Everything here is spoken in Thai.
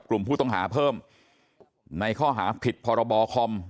กลุ่มผู้ต้องหาเพิ่มในข้อหาผิดพรบคอม